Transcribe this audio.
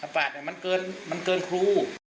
ฝาดมันเกินครู